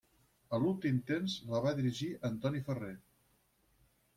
A l'últim temps la va dirigir Antoni Ferrer.